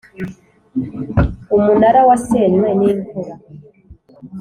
Umunara wasenywe n’imvura.